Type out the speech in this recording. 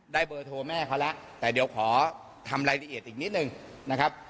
เบอร์โทรแม่เขาแล้วแต่เดี๋ยวขอทำรายละเอียดอีกนิดนึงนะครับ